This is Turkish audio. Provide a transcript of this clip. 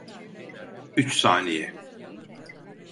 Üç saniye.